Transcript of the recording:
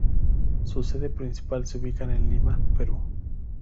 Su sede principal se ubica en Lima, Perú.